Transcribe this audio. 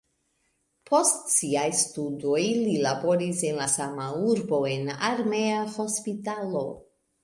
Post siaj studoj li laboris en la sama urbo en armea hospitalo.